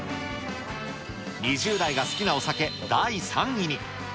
２０代が好きなお酒第３位に。